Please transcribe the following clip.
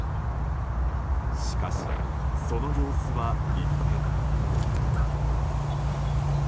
しかし、その様子は一変。